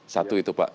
satu itu pak